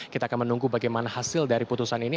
kita akan menunggu bagaimana hasil dari putusan ini